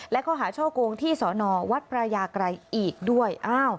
และข้อหาช่อโกงที่สอนอวัดพระยากรัยอีกด้วย